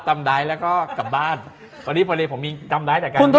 ต่ำได้แล้วก็กลับบ้านตอนนี้ผมมีต่ำไดได้จากการคุณ